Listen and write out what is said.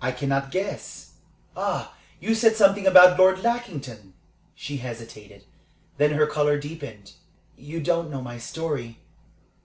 I cannot guess. Ah, you said something about Lord Lackington?" She hesitated. Then her color deepened. "You don't know my story.